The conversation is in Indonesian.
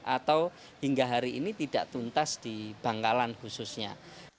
atau hingga hari ini tidak tuntas di bangkalan khususnya